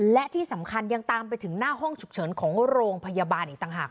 และที่สำคัญยังตามไปถึงหน้าห้องฉุกเฉินของโรงพยาบาลอีกต่างหาก